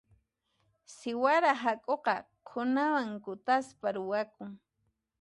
Siwara hak'uqa qhunawan kutaspa ruwakun.